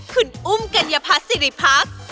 คุณอุ้มกัญญพัฒน์สิริพักษ์